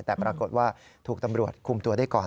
แต่ปรากฏว่าถูกตำรวจคุมตัวได้ก่อน